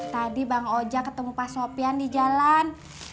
tadi bang ojak ketemu pak sofyan di jalan